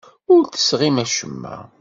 Ur d-tesɣim acemma.